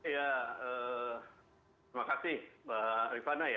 ya terima kasih mbak rifana ya